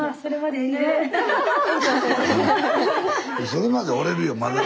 それまでおれるよまだ。